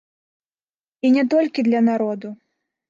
І не толькі для народу.